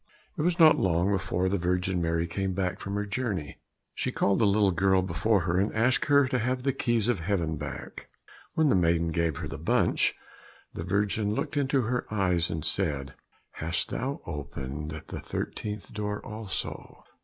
It was not long before the Virgin Mary came back from her journey. She called the girl before her, and asked to have the keys of heaven back. When the maiden gave her the bunch, the Virgin looked into her eyes and said, "Hast thou not opened the thirteenth door also?"